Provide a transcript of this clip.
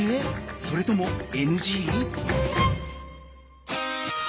それともＮＧ？